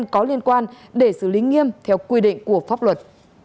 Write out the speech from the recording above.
có liên quan để xử lý nghiêm theo quy định của pháp luật